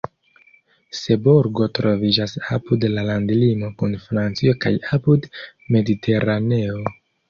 Seborgo troviĝas apud la landlimo kun Francio kaj apud Mediteraneo.